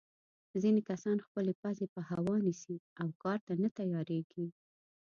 ځینې کسان خپلې پزې په هوا نیسي او کار ته نه تیارېږي.